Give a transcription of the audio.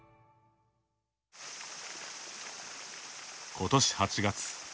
今年８月。